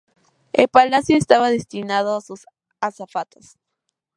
El palacio estaba destinado a sus azafatas.